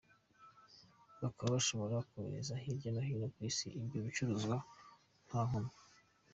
Bakaba bashobora kohereza hirya no hino ku Isi ibyo bicuruzwa nta nkomyi.